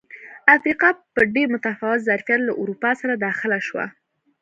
افریقا په ډېر متفاوت ظرفیت له اروپا سره داخله شوه.